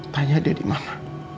tanya dia dimana